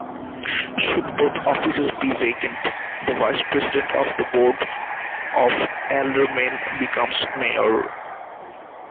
Should both offices be vacant, the vice-president of the board of aldermen becomes mayor.